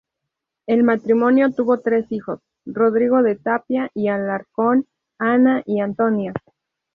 El matrimonio tuvo tres hijos, Rodrigo de Tapia y Alarcón, Ana y Antonia.